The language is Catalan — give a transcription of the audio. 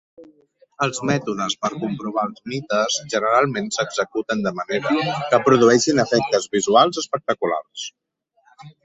Els mètodes per comprovar els mites generalment s'executen de manera que produeixin efectes visuals espectaculars.